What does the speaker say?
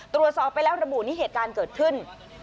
ตรวจสอบไปแล้วระบุนี่เหตุการณ์เกิดขึ้น